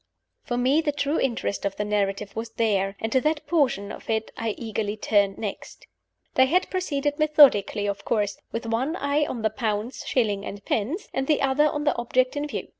For me, the true interest of the narrative was there and to that portion of it I eagerly turned next. They had proceeded methodically, of course, with one eye on the pounds, shillings, and pence, and the other on the object in view.